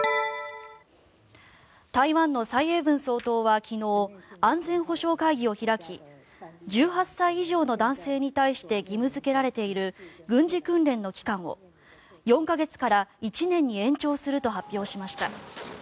台湾の蔡英文総統は昨日安全保障会議を開き１８歳以上の男性に対して義務付けられている軍事訓練の期間を４か月から１年に延長すると発表しました。